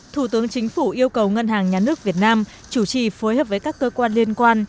thủ tướng chính phủ yêu cầu ngân hàng nhà nước việt nam chủ trì phối hợp với các cơ quan liên quan